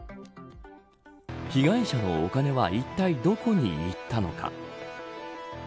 被害者のお金はいったい、どこにいったのか。